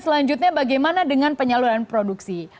selanjutnya bagaimana dengan penyaluran produksi